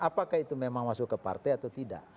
apakah itu memang masuk ke partai atau tidak